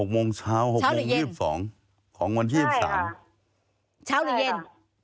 ๖โมงเช้า๖โมง๒๒ของวันที่๒๓เช้าหรือเย็น